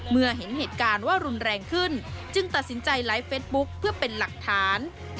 เมื่อเห็นเหตุการณ์ว่ารุนแรงขึ้นจึงตัดสินใจไลฟ์เฟสบุ๊กเพื่อเป็นหลักฐาน